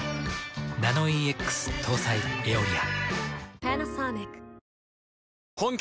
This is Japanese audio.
ナノイーＸ搭載「エオリア」。